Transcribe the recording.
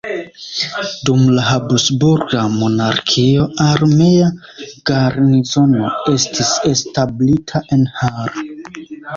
Dum la Habsburga monarkio armea garnizono estis establita en Hall.